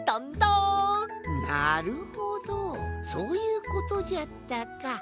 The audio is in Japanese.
なるほどそういうことじゃったか。